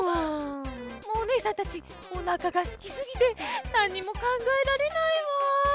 もうおねえさんたちおなかがすきすぎてなんにもかんがえられないわ。